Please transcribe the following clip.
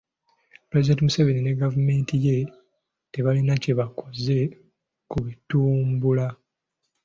Pulezidenti Museveni ne gavumenti ye tebalina kye bakoze ku bitumbula.